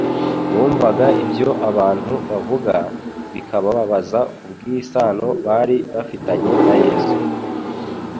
Bumvaga ibyo abantu bavuga bikabababaza kubw'isano bari bafitanye na Yesu.